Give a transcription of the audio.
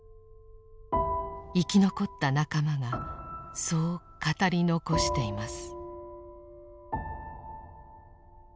生き残った仲間がそう語り残しています。